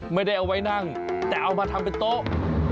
ไม่ได้เอาไว้นั่งแต่เอามาทำเป็นโต๊ะ